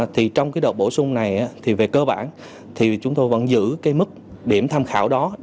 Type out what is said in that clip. thì trong cái đợt bổ sung này thì về cơ bản thì chúng tôi vẫn giữ cái mức điểm tham khảo đó